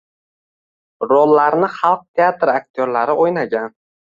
Rollarni xalq teatri aktyorlari o‘ynagan.